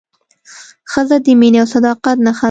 ښځه د مینې او صداقت نښه ده.